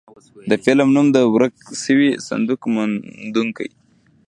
د فلم نوم و د ورک شوي صندوق موندونکي.